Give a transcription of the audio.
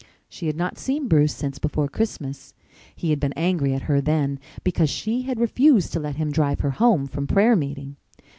She had not seen Bruce since before Christmas. He had been angry at her then because she had refused to let him drive her home from prayer meeting.